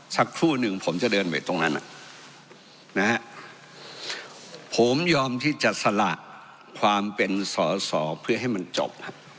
สักครู่หนึ่งผมจะเดินไปตรงนั้นนะฮะผมยอมที่จะสละความเป็นสอสอเพื่อให้มันจบ